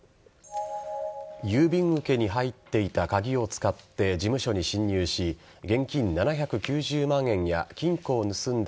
郵便受けに入っていた鍵を使って、事務所に侵入し現金７９０万円や金庫を盗んだ